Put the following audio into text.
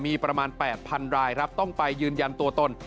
มีประมาณ๘๐๐รายครับต้องไปยืนยันตัวตน